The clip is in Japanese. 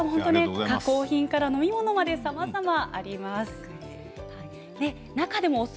加工品から飲み物までさまざまあります。